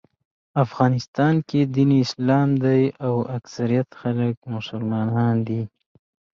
افغانستان کې دین اسلام دی او اکثریت خلک مسلمانان دي.